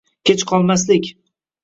Kech qolmaslik.